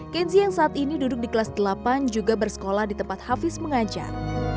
kenzi yang saat ini duduk di kelas delapan juga bersekolah di tempat hafiz mengajar